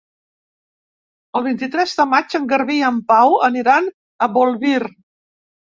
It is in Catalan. El vint-i-tres de maig en Garbí i en Pau aniran a Bolvir.